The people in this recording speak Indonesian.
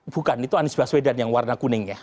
bukan itu anies baswedan yang warna kuning ya